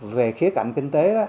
về khía cạnh kinh tế đó